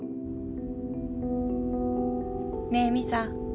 ねぇ美沙。